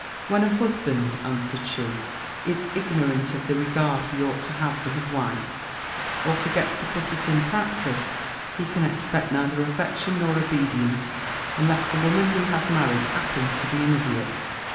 'When a husband,' answered she, 'is ignorant of the regard he ought to have for his wife, or forgets to put it in practice, he can expect neither affection nor obedience, unless the woman he has married happens to be an idiot.'